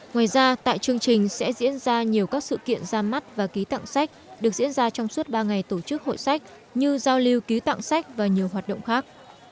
ngoài ra tại chương trình sẽ diễn ra nhiều các sự kiện ra mắt và ký tặng sách được diễn ra trong suốt ba ngày tổ chức hội sách như giao lưu ký tặng sách và nhiều hoạt động khác